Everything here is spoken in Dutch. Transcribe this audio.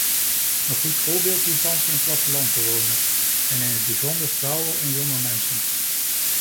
Een goed voorbeeld hiervan zijn plattelandsbewoners, en in het bijzonder vrouwen en jonge mensen.